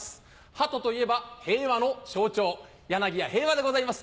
ハトといえば平和の象徴柳家平和でございます。